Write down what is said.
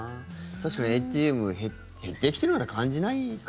確かにＡＴＭ減ってきているような感じないか。